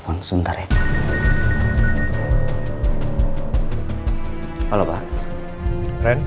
kenapa dia belum ada